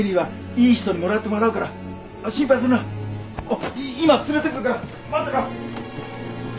今連れてくるから待ってろ！